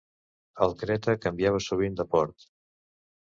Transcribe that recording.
El Creta canviava sovint de port.